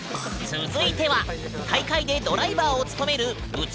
続いては大会でドライバーを務める部長の謡口くん！